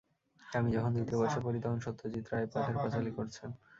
আমি যখন দ্বিতীয় বর্ষে পড়ি, তখন সত্যজিত্ রায় পথের পাঁচালী করছেন।